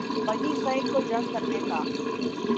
بنی اسرائیل کو جنگ کرنے کا